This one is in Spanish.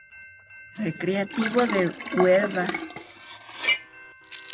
Recreativo de Huelva.